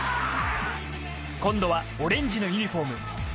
今度はオレンジのユニホーム。